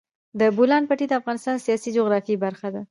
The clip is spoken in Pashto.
د بولان پټي د افغانستان د سیاسي جغرافیه برخه ده.